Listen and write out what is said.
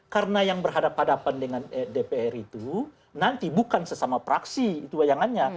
karena yang berhadapan hadapan dengan dpr itu nanti bukan sesama praksi itu bayangannya